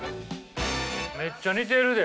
めっちゃ似てるで。